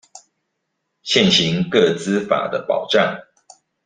現行個資法的保障